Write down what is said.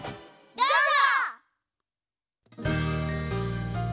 どうぞ！